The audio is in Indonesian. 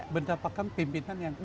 mendapatkan pimpinan yang terbaik